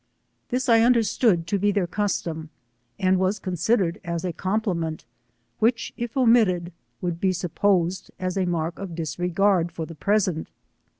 This I understood to be their custom, and was considered as a compliment, w hich if onnitted, would be supposed as a mark of disregard for the E 3 46 present.